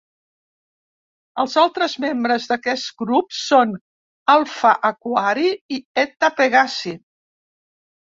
Els altres membres d'aquest grup són Alpha Aquarii i Eta Pegasi.